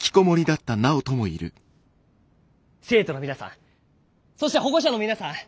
生徒の皆さんそして保護者の皆さん